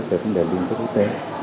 về vấn đề liên kết quốc tế